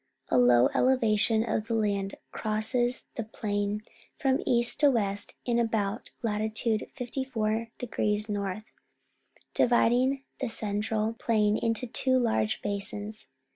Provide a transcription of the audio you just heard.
A low elevation of the land crosses the plain from east to west in about latitude 54°X., dividing the central plain into two large basins.